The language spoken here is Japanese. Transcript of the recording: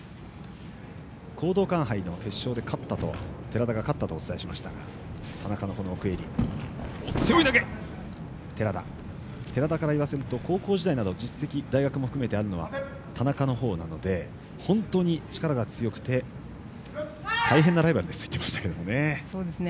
講道館杯の決勝で寺田が勝ったとお伝えしましたが寺田からいわせると高校時代、大学も含め実績があるのは田中のほうなので本当に力が強くて大変なライバルですと言っていましたけどね。